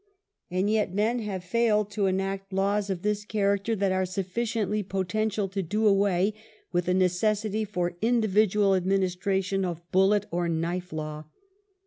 And yet men have failed to enact laws of this character that are sufficiently potential to do away with, the necessity for individual administration of bullet or knife law.